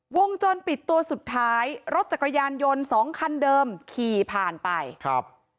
วงจรปิดตัวสุดท้ายรถจักรยานยนต์สองคันเดิมขี่ผ่านไปครับ